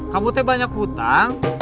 kamu tuh banyak hutang